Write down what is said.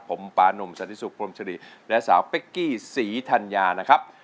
ผมปานุ่มสันติสุขพรมสิริและสาวเป๊กกี้ศรีธัญญานะครับ